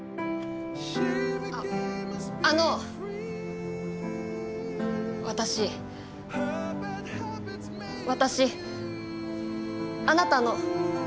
ああの私私あなたの。